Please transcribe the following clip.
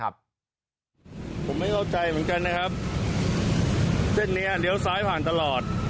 ผมไม่เข้าใจเหมือนกันนะครับเส้นนี้เลี้ยวซ้ายผ่านตลอด